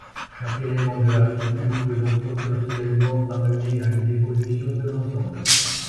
Chaque élément de la structure peut donc potentiellement amener à une évolution de l'ensemble.